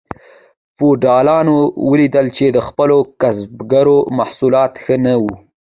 فیوډالانو ولیدل چې د خپلو کسبګرو محصولات ښه نه وو.